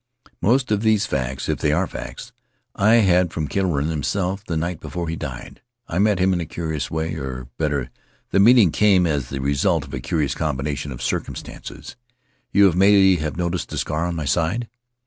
"Most of these facts — if they are facts — I had from Killorain himself the night before he died. I met him in a curious way; or, better, the meeting came as the The Englishman's Story result of a curious combination of circumstances, You may have noticed the scar on my side?'